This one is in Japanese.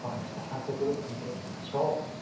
早速見ていきましょう。